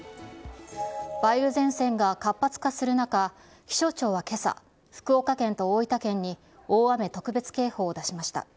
梅雨前線が活発化する中、気象庁はけさ、福岡県と大分県に大雨特別警報を出しました。